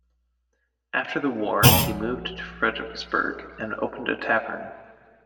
After the war, he moved to Fredericksburg and opened a tavern.